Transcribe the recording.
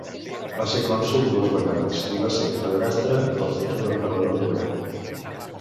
Va ser cònsol dues vegades, i va ser padrastre del futur emperador Neró.